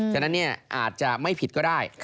ฉะนั้นอาจจะไม่ผิดก็ได้